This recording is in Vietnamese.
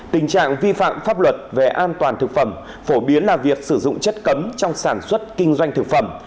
tình trạng vi phạm pháp luật về an toàn thực phẩm phổ biến là việc sử dụng chất cấm trong sản xuất kinh doanh thực phẩm